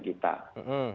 akibat berbagai pengecualian